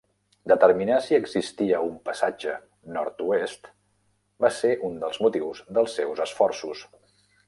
Determinar si existia un passatge nord-oest va ser un dels motius dels seus esforços.